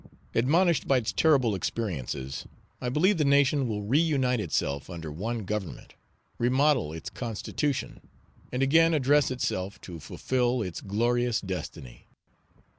Admonished by its terrible experiences, I believe the nation will reunite itself under one government, remodel its constitution, and again address itself to fulfill its glorious destiny.